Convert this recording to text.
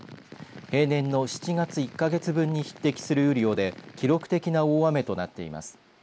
平年の７月１か月分に匹敵する雨量で記録的な大雨となっています。